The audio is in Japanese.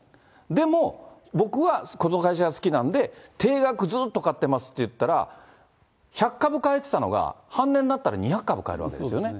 でも僕はこの会社が好きなんで、定額ずっと買ってますっていったら、１００株買えてたのが、半値になったら２００株買えるわけですよね。